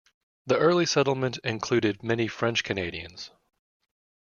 The early settlement included many French-Canadians.